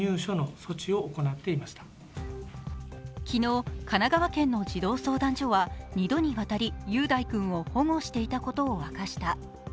昨日、神奈川県の児童相談所は２度にわたり雄大君を保護していたことを明かした。